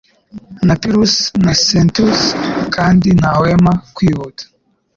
na Pirusi na Sextus kandi ntahwema kwihuta